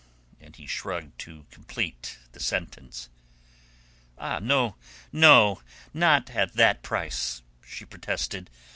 And he shrugged to complete the sentence. "Ah, no, no! Not at that price!" she protested.